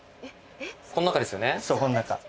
この中ですよね。